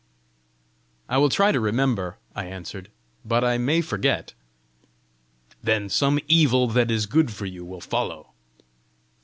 "I will try to remember," I answered; " but I may forget!" "Then some evil that is good for you will follow."